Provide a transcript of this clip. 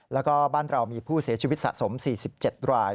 แล้วก็บ้านเรามีผู้เสียชีวิตสะสม๔๗ราย